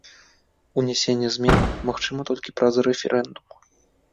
Унясенне змен магчыма толькі праз рэферэндум.